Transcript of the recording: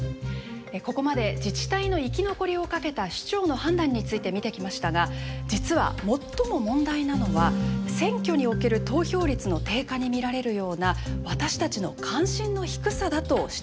ここまで自治体の生き残りをかけた首長の判断について見てきましたが実は最も問題なのは選挙における投票率の低下に見られるような私たちの関心の低さだと指摘されているんです。